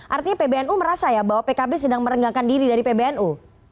artinya pbnu merasa ya bahwa pkb sedang merenggangkan diri dari pbnu